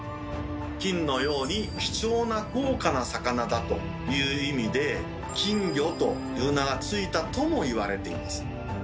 金のように貴重な高価な魚だという意味で金魚という名が付いたともいわれています。